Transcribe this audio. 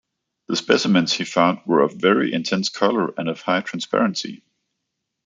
The specimens he found were of very intense color and of high transparency.